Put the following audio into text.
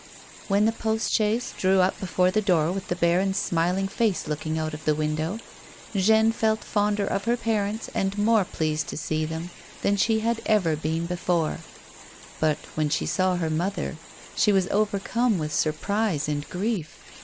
When the post chaise drew up before the door with the baron's smiling face looking out of the window, Jeanne felt fonder of her parents and more pleased to see them than she had ever been before ; but when she saw her mother she was overcome with surprise and grief.